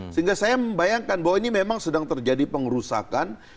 sehingga saya membayangkan bahwa ini memang sedang terjadi pengerusakan